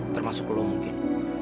termasuk lo mungkin